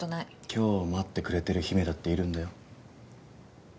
今日を待ってくれてる姫だっているんだよ？